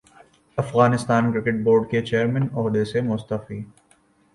Afghanistan cricket board کے chairman عہدے سے مستعفی